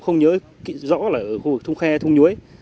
không nhớ rõ là khu vực thung khe thung nhuế